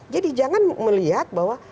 jadi jangan melihat bahwa